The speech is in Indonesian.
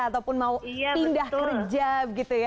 ataupun mau pindah kerja gitu ya